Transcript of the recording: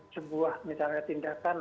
sebuah misalnya tindakan